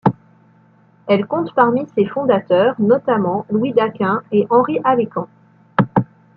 Elle compte parmi ses fondateurs notamment Louis Daquin et Henri Alekan.